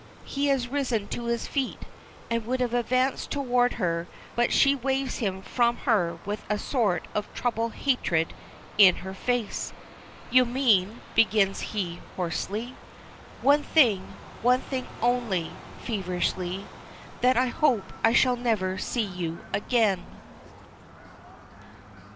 He has risen to his feet, and would have advanced toward her, but she waves him from her with a sort of troubled hatred in her face. "You mean " begins he, hoarsely. "One thing one thing only," feverishly "that I hope I shall never see you again!"